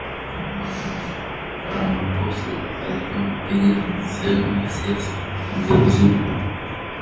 ramaphosa alikuwa anapinga sehemu ya siasa za zuma